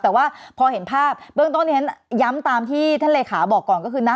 แต่ว่าพอเห็นภาพตรงนี้ย้ำตามที่ท่านเลขาบอกก่อนก็คือนะ